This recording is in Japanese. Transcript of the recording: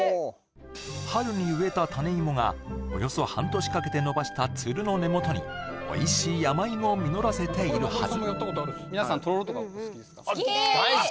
春に植えた種芋がおよそ半年かけて伸ばしたツルの根元においしい山芋を実らせているはず